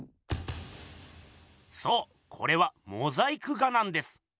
そうこれはモザイク画なんです。